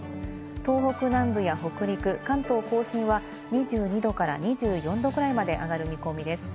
東北南部や北陸、関東甲信は２２度から２４度ぐらいまで上がる見込みです。